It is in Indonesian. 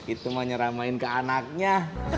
itu mau nyeramahin ke anaknya